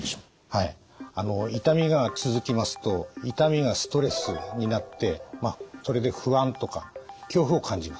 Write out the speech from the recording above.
痛みが続きますと痛みがストレスになってそれで不安とか恐怖を感じます。